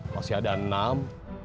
masih ada enam